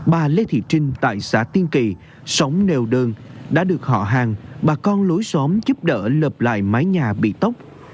bà lê thị trinh tại xã tiên kỳ sống nêu đơn đã được họ hàng bà con lối xóm giúp đỡ lợp lại mái nhà bị tốc